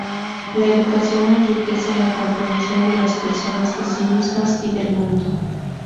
La educación enriquece la comprensión de las personas de sí mismas y del mundo.